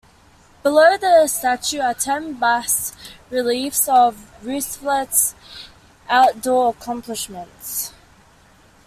Below the statue are ten bas reliefs of Roosevelt's outdoor accomplishments.